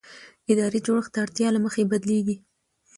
اداري جوړښت د اړتیا له مخې بدلېږي.